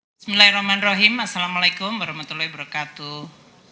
bismillahirrahmanirrahim assalamu alaikum warahmatullahi wabarakatuh